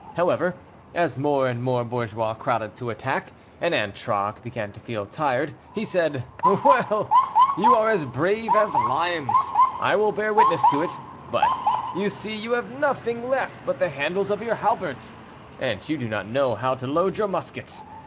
However, as more and more bourgeois crowded to the attack, and Antragues began to feel tired, he said, "Well, you are as brave as lions; I will bear witness to it; but, you see, you have nothing left but the handles of your halberts, and you do not know how to load your muskets.